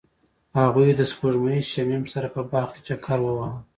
هغوی د سپوږمیز شمیم سره په باغ کې چکر وواهه.